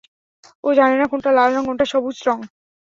ও জানে না কোনটা লাল রং, কোনটা সবুজ রং।